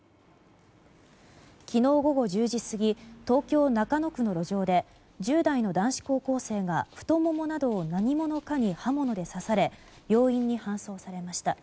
昨日午後１０時過ぎ東京・中野区の路上で１０代の男子高校生が太ももなどを何者かに刃物で刺され病院に搬送されました。